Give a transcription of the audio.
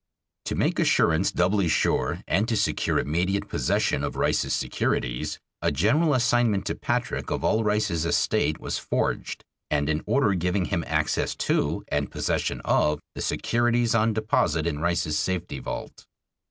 To make assurance doubly sure and to secure immediate possession of Rice's securities a general assignment to Patrick of all Rice's estate was forged, and an order giving him access to and possession of the securities on deposit in Rice's safety vault.